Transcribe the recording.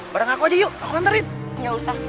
bareng aku aja yuk aku nantarin